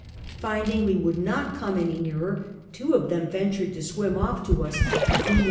Finding we would not come any neawer, two of them ventured to swim off to us ; whom WT.